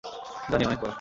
জানি, অনেক পড়া।